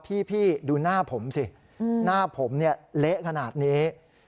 พี่ดูหน้าผมสิหน้าผมเนี่ยเละขนาดนี้